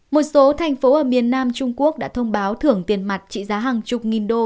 một số thành phố ở miền nam trung quốc đã thông báo thưởng tiền mặt trị giá hàng chục nghìn đô